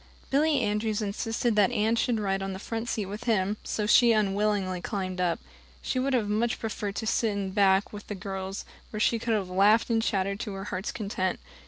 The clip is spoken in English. Billy Andrews insisted that Anne should ride on the front seat with him, so she unwillingly climbed up. She would have much preferred to sit back with the girls, where she could have laughed and chattered to her heart's content.